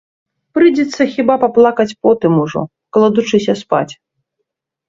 Прыйдзецца хіба паплакаць потым ужо, кладучыся спаць.